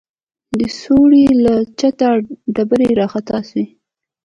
د سوړې له چته ډبرې راخطا سوې.